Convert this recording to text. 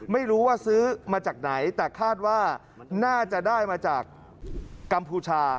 ไม่รู้ว่าซื้อมาจากไหนแต่คาดว่าน่าจะได้มาจากกัมพูชา